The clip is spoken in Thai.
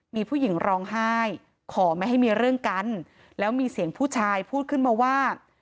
มีผู้หญิงร้องไห้ขอไม่ให้มีเรื่องกันแล้วมีเสียงผู้ชายพูดขึ้นมาว่า